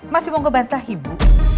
masih mau ngebantahi bu